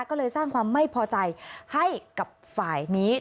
ก็เลยสร้างความไม่พอใจให้กับฝ่ายนี้